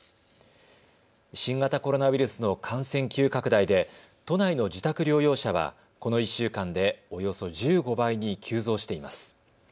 新型コロナウイルスの感染急拡大で都内の自宅療養者はこの１週間でおよそ１５倍に急増しています。